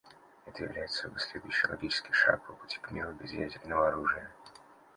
Это являет собой следующий логический шаг по пути к миру без ядерного оружия.